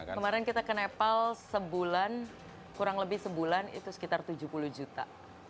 kemarin kita ke nepal sebulan kurang lebih sebulan itu sekitar tujuh puluh juta